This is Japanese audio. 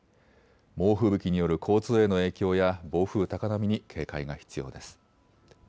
猛吹雪による交通への影響や暴風、高波に警戒が必要です。